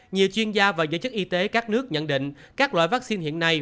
nhiều chuyên gia và giới chức y tế các nước nhận định các loại vaccine hiện nay